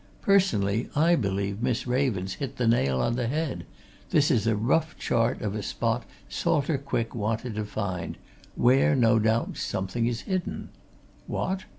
Personally, I believe Miss Raven's hit the nail on the head this is a rough chart of a spot Salter Quick wanted to find where, no doubt, something is hidden. What?